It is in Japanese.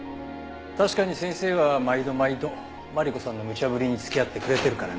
確かに先生は毎度毎度マリコさんのむちゃぶりに付き合ってくれてるからね。